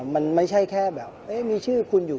มันไม่ใช่แค่แบบมีชื่อคุณอยู่